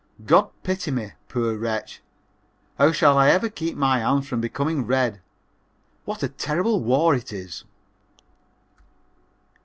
God pity me, poor wretch! How shall I ever keep my hands from becoming red? What a terrible war it is!